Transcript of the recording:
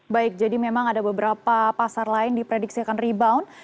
baik jadi memang ada beberapa pasar lain diprediksi akan rebound